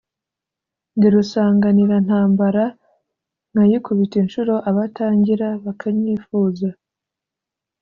ndi rusanganirantambara, nkayikubita inshuro abatangira bakanyifuza